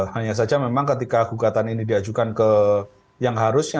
hanya saja memang ketika gugatan ini diajukan ke yang harusnya